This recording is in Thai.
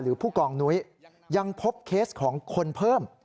ผู้กองนุ้ยยังพบเคสของคนเพิ่ม